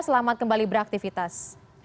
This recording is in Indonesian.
selamat kembali beraktivitas